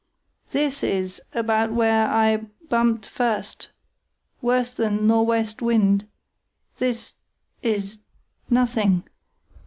"This—is—about where—I—bumped first—worse then—nor' west wind—this—is—nothing.